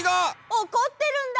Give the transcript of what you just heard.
おこってるんだ！